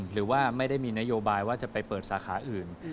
หรือว่าไม่ได้มีนโยบายว่าจะไปเปิดสาขาอื่น